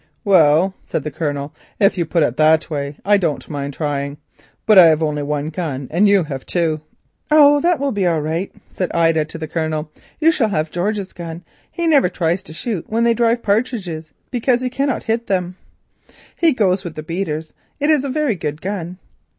"Well," said the Colonel, "if you put it in that way I don't mind trying, but I have only one gun and you have two." "Oh, that will be all right," said Ida to the Colonel. "You shall have George's gun; he never tries to shoot when they drive partridges, because he cannot hit them. He goes with the beaters. It is a very good gun."